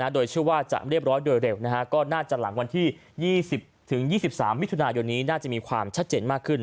โดยเชื่อว่าจากเรียบร้อยโดยเร็วก็น่าจะหลังวันที่๒๐๒๓วิทยุความชัดเข้มขึ้น